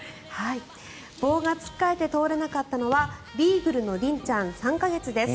棒がつっかえて通れなかったのはビーグルのりんちゃん３か月です。